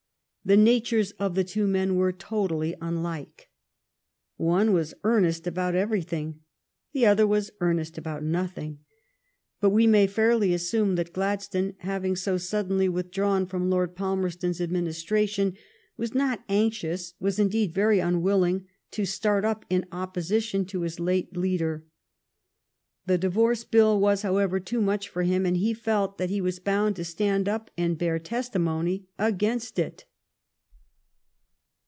The natures of the two men were totally unlike. One was earnest about everything; the other was ear nest about nothing. But we may fairly assume that Gladstone, having so suddenly withdrawn from Lord Palmerstons administration, was not anxious, was indeed very unwilling, to start up in opposition to his late leader. The Divorce Bill was, however, too much for him, and he felt that he was bound to stand up and bear testi mony against it.